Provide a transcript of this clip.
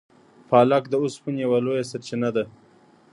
پالک د اوسپنې یوه لویه سرچینه ده.